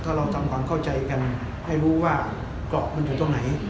ถ้าเราทำความเข้าใจกันให้รู้ว่าเกาะมันอยู่ตรงไหน